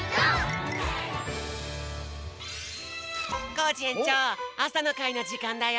コージえんちょうあさのかいのじかんだよ。